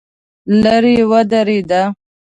لرې ودرېده.